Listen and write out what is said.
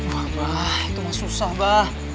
wah abah itu mah susah abah